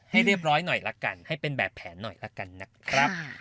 ให้เรียบร้อยหน่อยละกันให้เป็นแบบแผนหน่อยละกันนะครับ